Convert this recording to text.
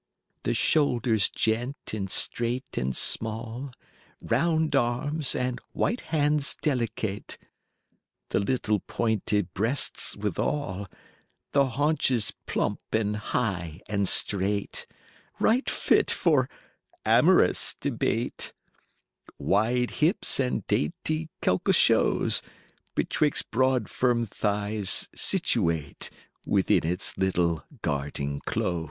VII."The shoulders gent and strait and small; Round arms and white hands delicate; 50 The little pointed breasts withal; The haunches plump and high and straight, Right fit for amorous debate; Wide hips and dainty quelquechose, Betwixt broad firm thighs situate, 55 Within its little garden close.